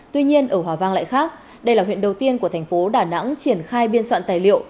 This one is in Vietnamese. tuy nhiên ở hòa vang lại khác đây là huyện đầu tiên của thành phố đà nẵng triển khai biên soạn tài liệu